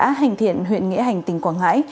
xã hành thiện huyện nghĩa hành tỉnh quảng ngãi